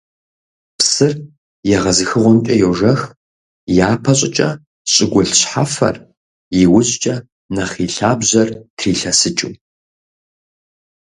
Псыр егъэзыхыгъуэмкӀэ йожэх, япэ щӀыкӀэ щӀыгулъ шхьэфэр, иужькӀэ нэхъ и лъабжьэр трилъэсыкӀыу.